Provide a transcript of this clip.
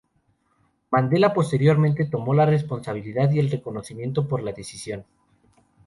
Mandela posteriormente tomó la responsabilidad y el reconocimiento por la decisión.